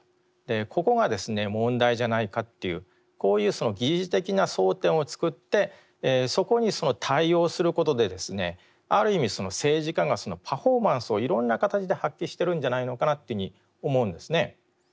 ここがですね問題じゃないかっていうこういう疑似的な争点を作ってそこに対応することでですねある意味政治家がパフォーマンスをいろんな形で発揮してるんじゃないのかなというふうに思うんですね。